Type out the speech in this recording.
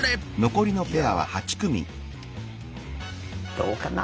どうかな？